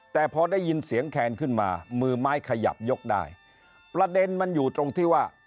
แต่พอได้ยินเสียงแคนขึ้นมามือไม้ขยับยกได้ประเด็นมันอยู่ตรงที่ว่า